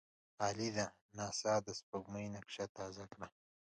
عالي ده! ناسا د سپوږمۍ نقشه تازه کړه.